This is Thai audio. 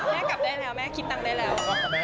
แม่กลับได้แล้วแม่คิดตังค์ได้แล้ว